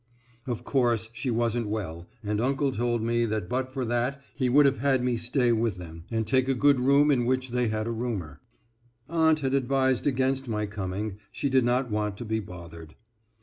Of course, she wasn't well, and uncle told me that but for that he would have had me stay with them, and take a good room in which they had a roomer. Aunt had advised against my coming she did not want to be bothered.